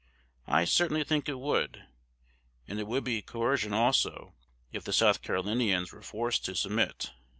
I certainly think it would; and it would be coercion also, if the South Carolinians were forced to submit.